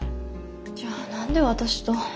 じゃあ何で私と。